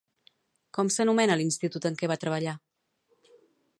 Com s'anomena l'institut en què va treballar?